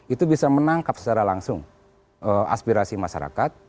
itu bisa menangkap secara langsung aspirasi masyarakat